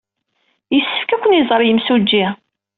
Yessefk ad ken-iẓer yemsujji.